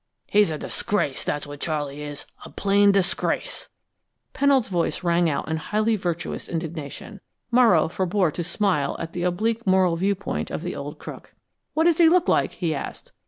He's a disgrace; that's what Charley is a plain disgrace." Pennold's voice rang out in highly virtuous indignation. Morrow forbore to smile at the oblique moral viewpoint of the old crook. "What does he look like?" he asked.